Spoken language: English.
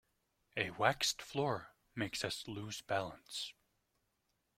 A waxed floor makes us lose balance.